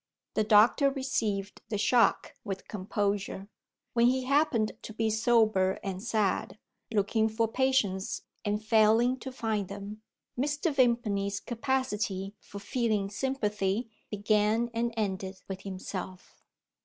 The doctor received the shock with composure. When he happened to be sober and sad, looking for patients and failing to find them, Mr. Vimpany's capacity for feeling sympathy began and ended with himself.